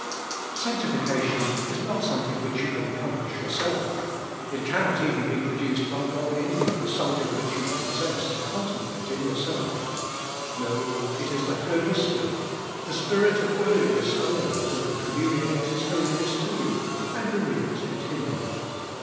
Saiii'iiiicaf ion is not something which you can accomplish yourself, ii < annof even be produced by find in you as some thins; which you m possess ami content plate in yourself. No, it is the Holy Spir it, this Spirit of holiness alone who ran communicate His holiness to yon and re new it continually.